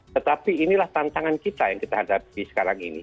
tetapi inilah tantangan kita yang kita hadapi sekarang ini